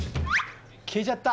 消えちゃった。